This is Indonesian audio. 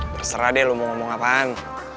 terserah deh lu mau ngomong apaan